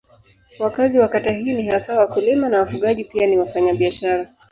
Wakazi wa kata hii ni hasa wakulima na wafugaji pia ni wafanyabiashara.